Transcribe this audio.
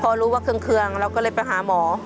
พอรู้ว่าเครื่องเราก็เลยไปหาหมอ